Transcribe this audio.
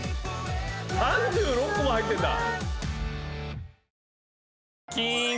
３６個も入ってんだ。